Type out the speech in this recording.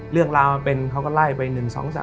เรื่องราวมันเป็นเขาก็ไล่ไป๑๒๓๔ครับ